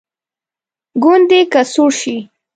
ګوندې که سوړ شي.